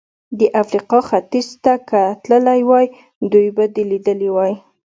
د افریقا ختیځ ته که تللی وای، دوی به دې لیدلي وای.